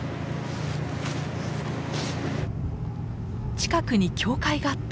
近くに教会があった。